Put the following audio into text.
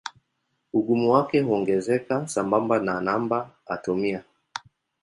Ugumu wake huongezeka sambamba na namba atomia.